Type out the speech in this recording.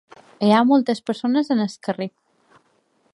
Hi ha moltes persones al carrer